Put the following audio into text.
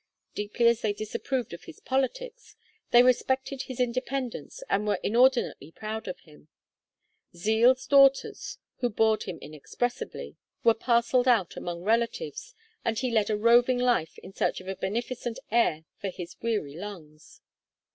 Deeply as they disapproved of his politics, they respected his independence and were inordinately proud of him. Zeal's daughters, who bored him inexpressibly, were parcelled out among relatives, and he led a roving life in search of beneficent air for his weary lungs.